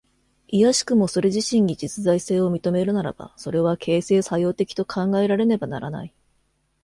いやしくもそれ自身に実在性を認めるならば、それは形成作用的と考えられねばならない。